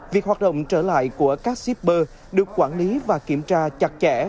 việc hoạt động trở lại của các shipper được quản lý và kiểm tra chặt chẽ